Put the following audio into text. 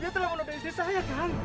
dia telah menolak dari saya kang